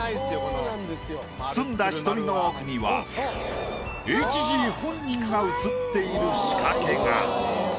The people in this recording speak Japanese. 澄んだ瞳の奥にはＨＧ本人が映っている仕掛けが。